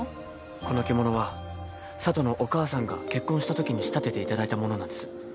この着物は佐都のお母さんが結婚したときに仕立てていただいたものなんです。